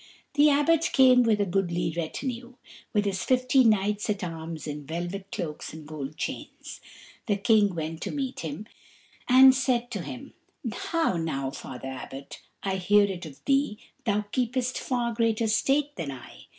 The Abbot came with a goodly retinue, with his fifty knights at arms in velvet cloaks and gold chains. The King went to meet him, and said to him, "How now, father Abbot? I hear it of thee, thou keepest far greater state than I.